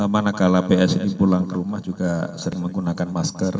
manakala ps ini pulang ke rumah juga sering menggunakan masker